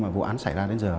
vụ án xảy ra đến giờ